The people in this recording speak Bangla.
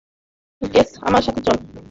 গেজ, আমার সাথে চলো।